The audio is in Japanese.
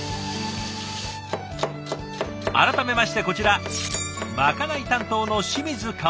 改めましてこちらまかない担当の清水かおりさん。